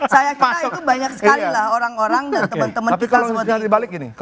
saya kira itu banyak sekali lah orang orang dan teman teman kita seperti ini